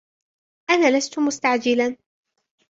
أنا لست مستعجلاً.